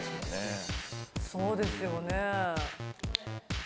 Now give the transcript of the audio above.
そうですよね。